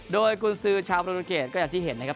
โดยกุญสือชาวประโยชน์เกรดก็อย่างที่เห็นนะครับ